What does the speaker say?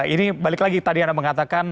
ini balik lagi tadi anda mengatakan